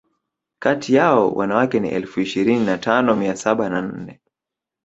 Kati yao wanawake ni elfu ishirini na tano mia saba na nne